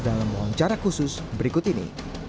dalam wawancara khusus berikut ini